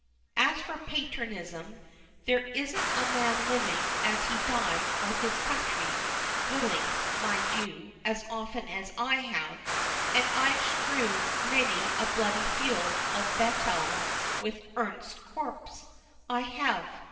As for patriertism, there isn't a man living as has died for his country willing, mind you as often as I have; and I've strewed many a bloody field of batel with a ernest corpse, I have.